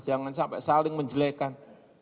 jangan sampai saling menjelekan